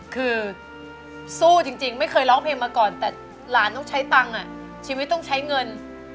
คือสู้จริงไม่เคยร้องเพลงมาก่อนแต่หลานต้องใช้ตังค์ชีวิตต้องใช้เงิน